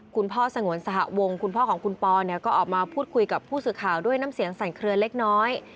สงวนสหวงคุณพ่อของคุณปอเนี่ยก็ออกมาพูดคุยกับผู้สื่อข่าวด้วยน้ำเสียงสั่นเคลือเล็กน้อย